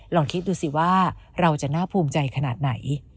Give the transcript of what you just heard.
ลองคิดดูสิว่าเราจะน่าภูมิใจขนาดไหน